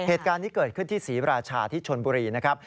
เหตุการณ์นี้เกิดขึ้นที่ศรีราชาที่ชนบุรีนะครับ